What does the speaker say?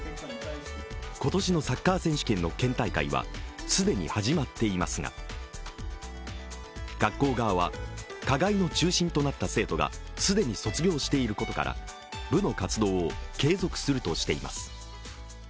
今年のサッカー選手権の県大会は既に始まっていますが学校側は、加害の中心となった生徒が既に卒業していることから部の活動を継続するとしています。